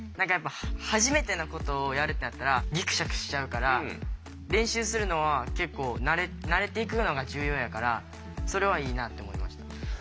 初めてのことをやるってなったらギクシャクしちゃうから練習するのは結構慣れていくのが重要やからそれはいいなって思いました。